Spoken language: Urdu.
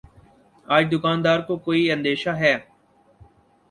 آج دکان دار کو کوئی اندیشہ ہے